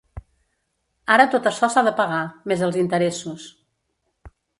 Ara tot açò s’ha de pagar, més els interessos.